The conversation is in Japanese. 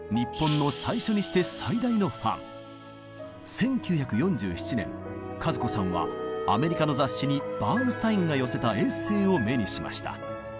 １９４７年和子さんはアメリカの雑誌にバーンスタインが寄せたエッセーを目にしました。